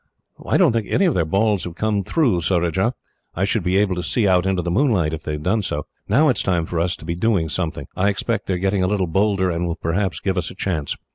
"I don't think any of their balls have come through, Surajah. I should be able to see out into the moonlight, if they had done so. Now it is time for us to be doing something. I expect they are getting a little bolder, and will perhaps give us a chance.